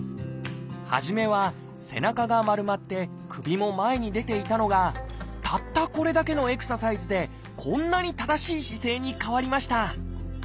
初めは背中が丸まって首も前に出ていたのがたったこれだけのエクササイズでこんなに正しい姿勢に変わりました。